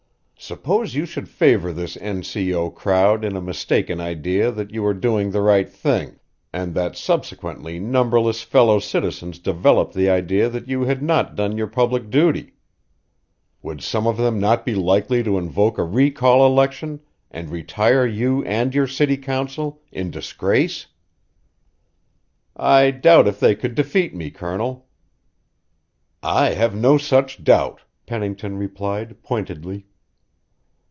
Suppose you should favour this N.C.O. crowd in a mistaken idea that you were doing the right thing, and that subsequently numberless fellow citizens developed the idea that you had not done your public duty? Would some of them not be likely to invoke a recall election and retire you and your city council in disgrace?" "I doubt if they could defeat me, Colonel." "I have no such doubt," Pennington replied pointedly.